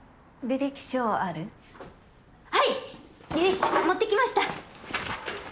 履歴書持ってきました！